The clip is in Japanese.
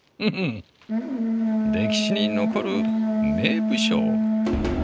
歴史に残る名武将。